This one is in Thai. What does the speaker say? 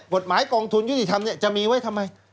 กฎหมายกองทุนยุติธรรมจะมีไว้ทำไม